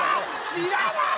知らない！